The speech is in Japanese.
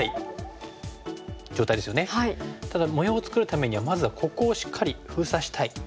ただ模様を作るためにはまずはここをしっかり封鎖したい。